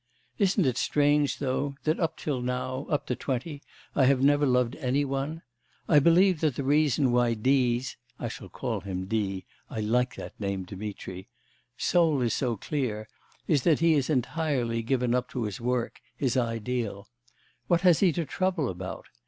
'... Isn't it strange though, that up till now, up to twenty, I have never loved any one! I believe that the reason why D.'s (I shall call him D. I like that name Dmitri) soul is so clear, is that he is entirely given up to his work, his ideal. What has he to trouble about?